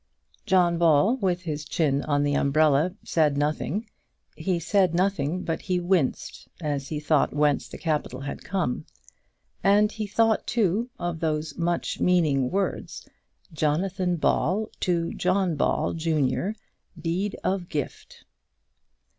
John Ball, with his chin on the umbrella, said nothing. He said nothing, but he winced as he thought whence the capital had come. And he thought, too, of those much meaning words: "Jonathan Ball to John Ball, junior Deed of gift."